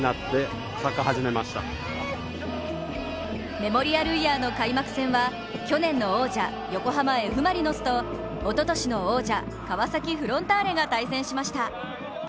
メモリアルイヤーの開幕戦は去年の王者、横浜Ｆ・マリノスとおととしの王者、川崎フロンターレが対戦しました。